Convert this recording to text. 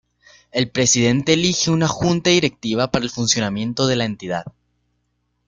El Presidente elige una Junta Directiva para el funcionamiento de la entidad.